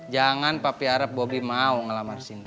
jangan papi harap bobi mau ngelamar cindy